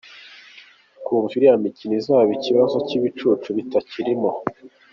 Twumva iriya mikino izaba ikibazo cy’ibicucu kitakirimo.